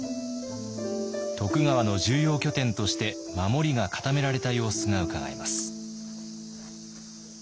徳川の重要拠点として守りが固められた様子がうかがえます。